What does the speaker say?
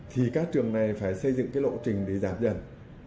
thì các trường này phải xây dựng cái lộ trình để giảm dần